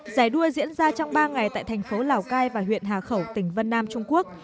giải đua diễn ra trong ba ngày tại thành phố lào cai và huyện hà khẩu tỉnh vân nam trung quốc